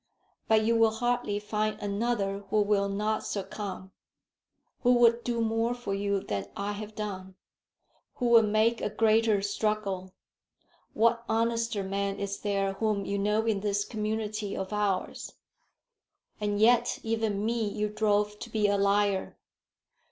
But you will hardly find another who will not succumb. Who would do more for you than I have done? Who would make a greater struggle? What honester man is there whom you know in this community of ours? And yet even me you drove to be a liar.